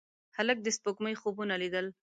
هلک د سپوږمۍ خوبونه لیدل.